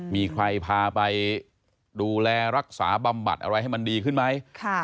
มีใครพาไปดูแลรักษาบำบัดอะไรให้มันดีขึ้นไหม